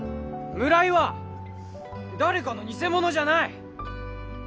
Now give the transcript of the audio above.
村井は誰かの偽者じゃない！